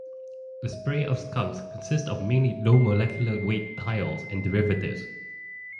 The spray of skunks consists mainly of low-molecular-weight thiols and derivatives.